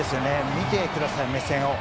見てください、目線を。